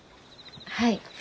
はい。